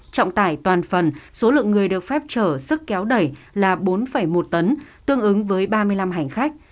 trọng tải toàn phần số lượng người được phép trở sức kéo đẩy là bốn một tấn tương ứng với ba mươi năm hành khách